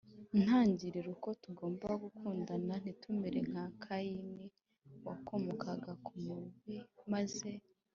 ntangiriro i ko tugomba gukundana Ntitumere nka Kayini wakomokaga ku mubi maze